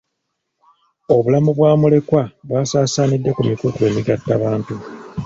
Obulamu bwa mulekwa bwasaasaanidde ku mikutu emigattabantu.